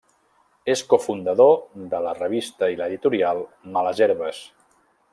És cofundador de la revista i l’editorial Males Herbes.